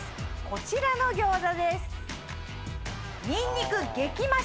こちらの餃子です。